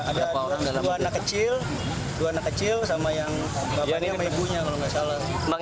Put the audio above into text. ada dua anak kecil dua anak kecil sama yang bapaknya dan ibunya kalau tidak salah